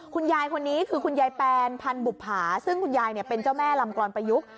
คุณยายคนนี้คือคุณยายแปนพันธุภาซึ่งคุณยายเป็นเจ้าแม่ลำกรอนประยุกต์